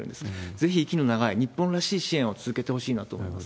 ぜひ息の長い、日本らしい支援を続けてほしいなと思います。